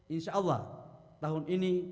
insyaallah tahun ini